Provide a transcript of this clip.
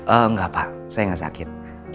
oh enggak pak saya gak sakit